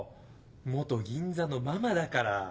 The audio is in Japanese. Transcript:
銀座のママだから。